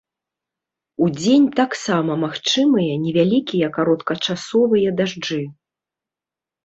Удзень таксама магчымыя невялікія кароткачасовыя дажджы.